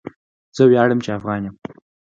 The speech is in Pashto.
زه ویاړم چی افغان يم